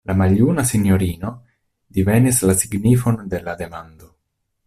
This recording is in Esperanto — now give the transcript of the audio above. La maljuna sinjorino divenis la signifon de la demando.